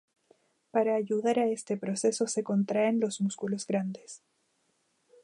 Para ayudar a este proceso se contraen los músculos grandes.